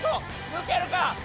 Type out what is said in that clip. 抜けるか？